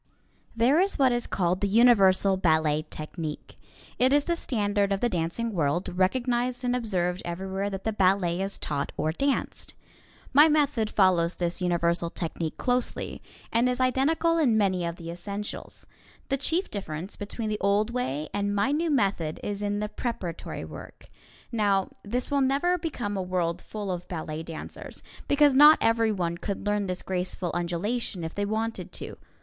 There is what is called the Universal Ballet Technique. It is the standard of the dancing world, recognized and observed everywhere that the ballet is taught or danced. My method follows this Universal Technique closely, and is identical in many of the essentials. The chief difference between the old way and my new method is in the preparatory work. Now, this will never become a world full of ballet dancers, because not everyone could learn this graceful undulation if they wanted to.